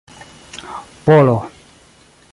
polo